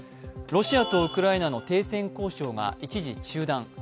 ロシアとウクライナの停戦交渉が一時中断。